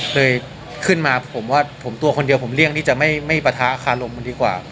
เลยขึ้นมาผมว่าผมตัวคนเดียวผมเลี่ยงที่จะไม่ปะทะคารมมันดีกว่า